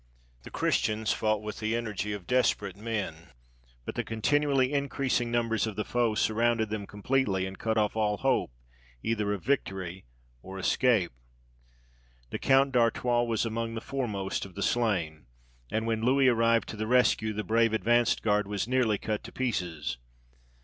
The Christians fought with the energy of desperate men, but the continually increasing numbers of the foe surrounded them completely, and cut off all hope, either of victory or escape. The Count d'Artois was among the foremost of the slain; and when Louis arrived to the rescue, the brave advanced guard was nearly cut to pieces.